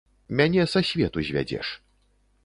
Мяне са свету звядзеш.